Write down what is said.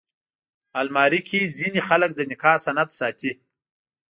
الماري کې ځینې خلک د نکاح سند ساتي